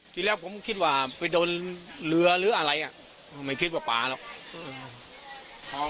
ที่แรกผมคิดว่าไปโดนเรือหรืออะไรอ่ะไม่คิดว่าป่าหรอก